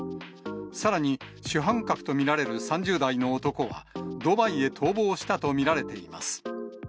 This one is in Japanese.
さらに、主犯格と見られる３０代の男は、ドバイへ逃亡したと見られています。